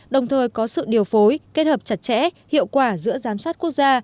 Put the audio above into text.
đồng thời có sự điều phối kết hợp chặt chẽ hiệu quả giữa giám sát quốc gia